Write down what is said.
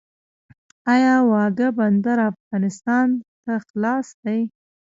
آیا واګه بندر افغانستان ته خلاص دی؟